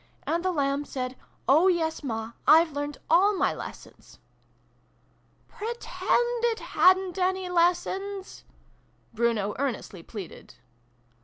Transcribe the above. And the Lamb said ' Oh yes, Ma ! I've learnt all my lessons !''" Pretend it hadn't any lessons !" Bruno earnestly pleaded.